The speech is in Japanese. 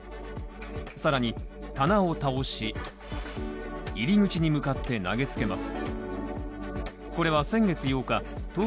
更に棚を倒し、入り口に向かって投げつけます。